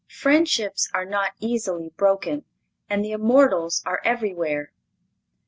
Friendships are not easily broken, and the immortals are everywhere.